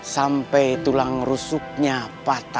sampai tulang rusuknya patah